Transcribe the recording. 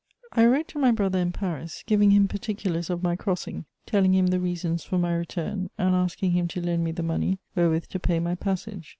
I wrote to my brother in Paris giving him particulars of my crossing, telling him the reasons for my return, and asking him to lend me the money wherewith to pay my passage.